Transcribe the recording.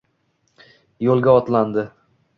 yo'lga otlandi.